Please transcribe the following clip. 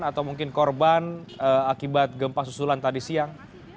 atau mungkin korban akibat gempa susulan tadi siang